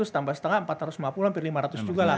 tambah setengah empat ratus lima puluh hampir lima ratus juga lah